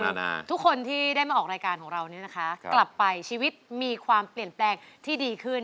ทุกคนที่ได้มาออกรายการของเราเนี่ยนะคะกลับไปชีวิตมีความเปลี่ยนแปลงที่ดีขึ้น